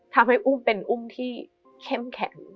ทำให้อุ้มเป็นอุ้มที่เข้มแข็ง